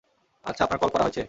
আচ্ছা আপনার কল করা হয়েছে?